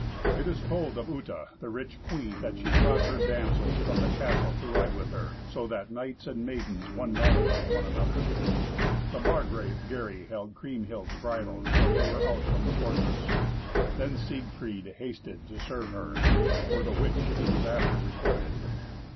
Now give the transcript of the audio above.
It is told of Uta, the rich queen, that she brought her damsels from the castle to ride with her, so that knights and maidens won knowledge of one another. The Margrave Gary held Kriemhild's bridle till they were out from the fortress; then Siegfried hasted to serve her, for the which he was after requited.